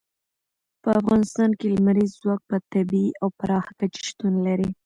په افغانستان کې لمریز ځواک په طبیعي او پراخه کچه شتون لري.